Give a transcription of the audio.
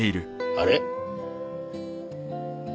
あれ？